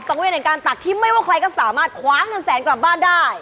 สังเวณในการตักที่ไม่ว่าใครก็สามารถขวางเงินแสนกลับบ้านได้